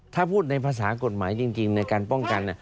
ถ้าพูดในภาษากฎหมายจริงในการป้องกัน